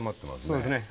そうですね